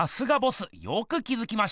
よく気づきましたね。